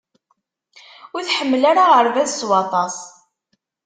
Ur tḥemmel ara aɣerbaz s waṭas.